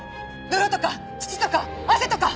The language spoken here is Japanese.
泥とか土とか汗とか！